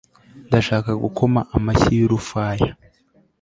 Ndashaka gukoma amashyi yurufaya